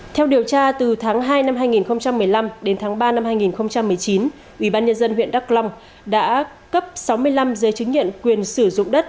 theo điều tra từ tháng hai năm hai nghìn một mươi năm đến tháng ba năm hai nghìn một mươi chín ủy ban nhân dân huyện đắk lông đã cấp sáu mươi năm giới chứng nhận quyền sử dụng đất